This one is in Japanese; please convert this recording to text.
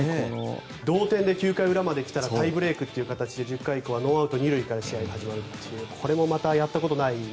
同点で９回裏まで来たらタイブレークという形で１０回ノーアウト２塁から試合が始まるというこれもやったことない。